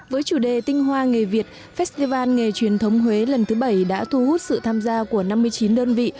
với chủ đề tinh hoa nghề việt festival nghề truyền thống huế lần thứ bảy đã thu hút sự tham gia của năm mươi chín đơn vị